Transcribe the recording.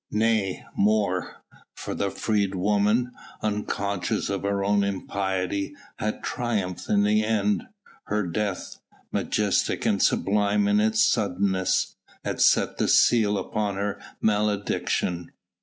Nay, more! for the freedwoman, unconscious of her own impiety, had triumphed in the end; her death majestic and sublime in its suddenness had set the seal upon her malediction.